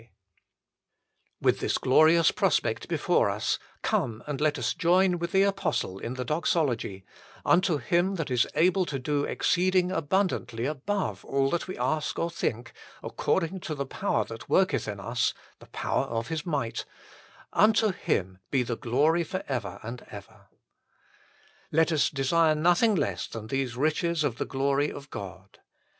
136 THE FULL BLESSING OF PENTECOST With this glorious prospect before us, come and let us join with the apostle in the doxology :" Unto Him that is able to do exceeding abundantly above all that we ask or think, according to the power that worketh in us (the power of His might), unto Him be the glory for ever and ever." ] Let us desire nothing less than these riches of the glory of God.